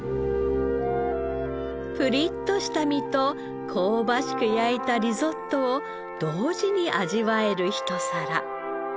プリッとした身と香ばしく焼いたリゾットを同時に味わえる一皿。